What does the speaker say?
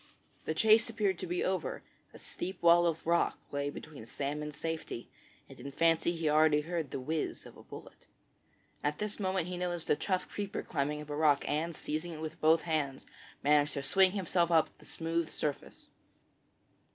The chase appeared to be over; a steep wall of rock lay between Sam and safety, and in fancy he already heard the whiz of a bullet. At this moment he noticed a tough creeper climbing up the rock, and, seizing it with both hands, managed to swing himself up the smooth surface.